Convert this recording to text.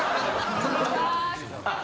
あっ。